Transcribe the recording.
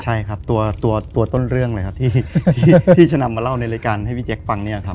ใช่ครับตัวต้นเรื่องเลยครับที่จะนำมาเล่าในรายการให้พี่แจ๊คฟังเนี่ยครับ